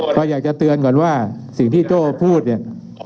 ก็อยากจะเตือนก่อนว่าสิ่งที่โจ้พูดเนี่ย